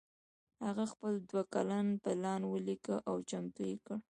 هغه خپل دوه کلن پلان وليکه او چمتو يې کړ.